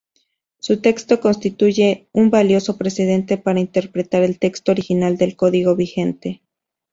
Su texto constituye un valioso precedente para interpretar el texto original del código vigente.